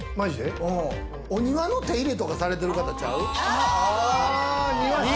お庭の手入れとかされてる方ちゃう？